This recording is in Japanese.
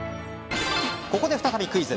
ここで再びクイズ。